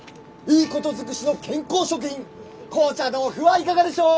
いいこと尽くしの健康食品紅茶豆腐はいかがでしょう！